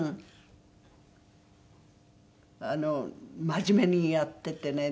真面目にやっててね。